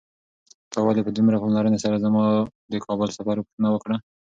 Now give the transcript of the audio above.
تا ولې په دومره پاملرنې سره زما د کابل د سفر پوښتنه وکړه؟